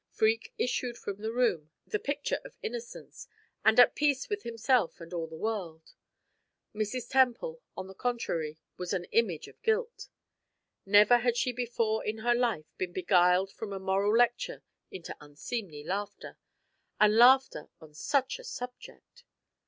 Freke issued from the room the picture of innocence, and at peace with himself and all the world. Mrs. Temple, on the contrary, was an image of guilt. Never had she before in her life been beguiled from a moral lecture into unseemly laughter and laughter on such a subject!